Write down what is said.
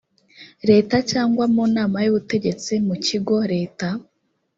leta cyangwa mu nama y ubutegetsi mu kigo leta